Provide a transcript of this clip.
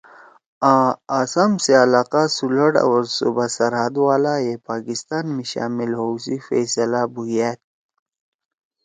آں آسام سی علاقہ سلہٹ او صوبہ سرحد والائے پاکستان می شامل ہؤ سی فیصلہ بُھویأد